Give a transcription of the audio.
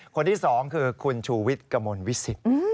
คนที่๒คือคุณชูวิทย์กระมวลวิสิต